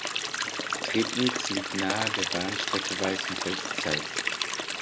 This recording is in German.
Trebnitz liegt naher der Bahnstrecke Weißenfels–Zeitz.